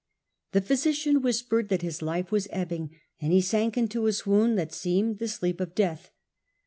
The physician whispered that his life was ebbing, and he sank into a swoon that seemed the sleep of death.